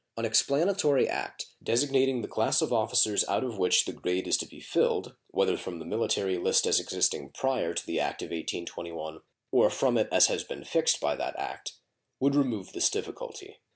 An explanatory act, designating the class of officers out of which the grade is to be filled whether from the military list as existing prior to the act of 1821 or from it as it has been fixed by that act would remove this difficulty.